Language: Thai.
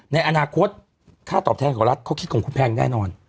ในอาณาโค้ดข้าตอบแทนกับรัฐเขาคิดผมคุณแพงแน่นอน